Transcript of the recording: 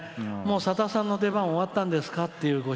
「もうさださんの出番終わったんですか？」という